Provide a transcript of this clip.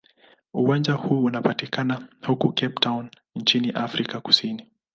Uwanja huu unapatikana huko Cape Town nchini Afrika Kusini.